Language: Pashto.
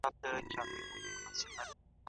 سهار وختي ورزش کول ګټور دي.